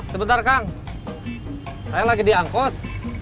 sebentar kang saya lagi diangkut